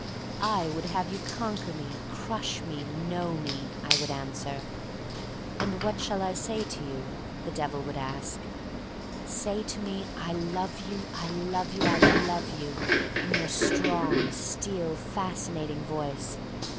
"I would have you conquer me^ crush me, know me," I would answer. "What shall I say to you?" the Devil would ask. "Say to me, 'I love you, I love you, I love you,' in your strong, steel, fascinat ing voice.